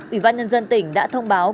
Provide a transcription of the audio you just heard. ủy ban nhân dân tỉnh đã thông báo